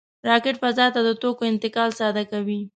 راکټ فضا ته د توکو انتقال ساده کوي